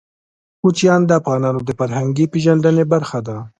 کوچیان د افغانانو د فرهنګي پیژندنې برخه ده.